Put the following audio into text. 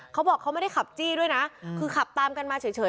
เขาบอกเขาไม่ได้ขับจี้ด้วยนะคือขับตามกันมาเฉย